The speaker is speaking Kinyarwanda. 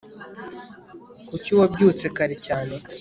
kuki wabyutse kare cyane